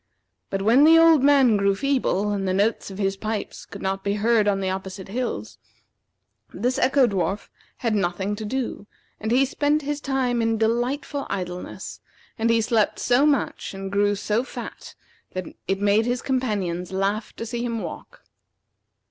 But when the old man grew feeble, and the notes of his pipes could not be heard on the opposite hills, this Echo dwarf had nothing to do, and he spent his time in delightful idleness; and he slept so much and grew so fat that it made his companions laugh to see him walk.